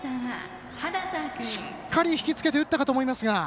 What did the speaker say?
しっかり引き付けて打ったかと思いますが。